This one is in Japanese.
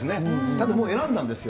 たぶん、もう選んだんですよ。